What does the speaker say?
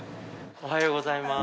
おはようございます。